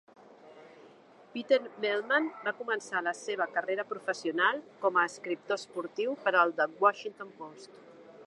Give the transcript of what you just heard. Peter Mehlman va començar la seva carrera professional com a escriptor esportiu per al "The Washington Post".